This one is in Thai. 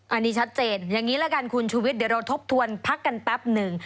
อันนี้ชัดเจนอย่างนี้ละกันคุณชุวิตเดี๋ยวเราทบทวนพักกันแป๊บหนึ่ง